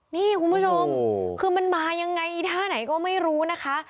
นี่คุณผู้ชมคือมันมายังไงท่าไหนก็ไม่รู้นะคะ